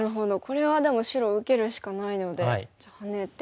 これはでも白受けるしかないのでハネて受けて。